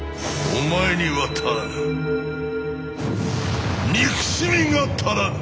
お前には足らぬ憎しみが足らぬ！